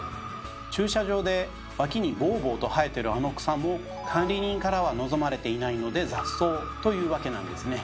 駐車場で脇にボーボーと生えてるあの草も管理人からは望まれていないので雑草というわけなんですね。